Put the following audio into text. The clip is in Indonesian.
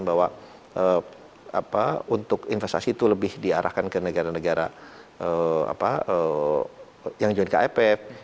bahwa untuk investasi itu lebih diarahkan ke negara negara yang jualan ke ipf